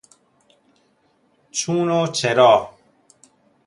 چونچرا